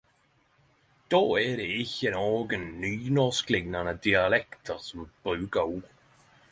Då det ikkje er nokon nynorskliknande dialektar som brukar ordet.